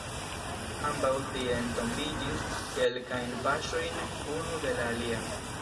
Ambaŭ tie entombiĝis, kelkajn paŝojn unu de la alia.